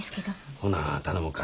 ほな頼もか。